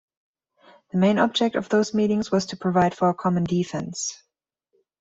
The main object of those meetings was to provide for a common defense.